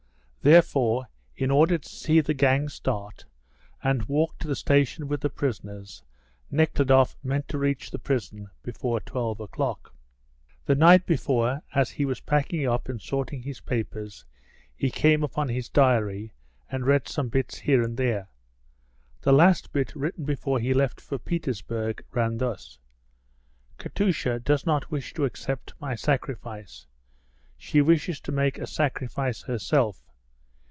therefore, in order to see the gang start, and walk to the station with the prisoners Nekhludoff meant to reach the prison before 12 o'clock. The night before, as he was packing up and sorting his papers, he came upon his diary, and read some bits here and there. The last bit written before he left for Petersburg ran thus: "Katusha does not wish to accept my sacrifice; she wishes to make a sacrifice herself.